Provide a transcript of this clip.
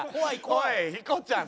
おいヒコちゃん